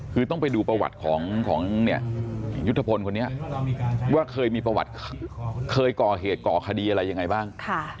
คือต้องไปดูประวัติของเนี่ยยุทธพลคนนี้ว่าเคยมีประวัติเคยก่อเหตุก่อคดีอะไรยังไงบ้าง